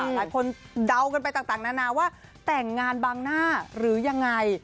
หลายคนเดากันไปต่างนานาว่าแต่งงานบางหน้าหรือยังไง